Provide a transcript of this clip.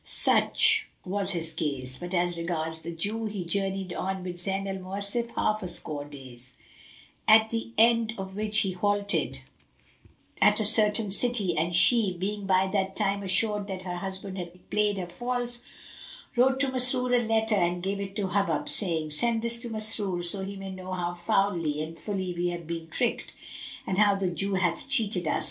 Such was his case; but as regards the Jew, he journeyed on with Zayn al Mawasif half a score days, at the end of which he halted at a certain city and she, being by that time assured that her husband had played her false, wrote to Masrur a letter and gave it to Hubub, saying, "Send this to Masrur, so he may know how foully and fully we have been tricked and how the Jew hath cheated us."